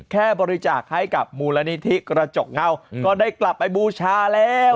แค่บริจาคให้กับมูลนิธิกระจกเงาก็ได้กลับไปบูชาแล้ว